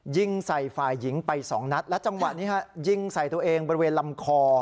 ยิงใส่ฝ่ายหญิงไปสองนัดและจังหวะนี้ฮะยิงใส่ตัวเองบริเวณลำคอ